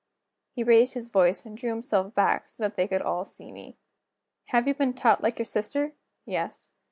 He raised his voice, and drew himself back so that they could all see me. "Have you been taught like your sister?" he asked.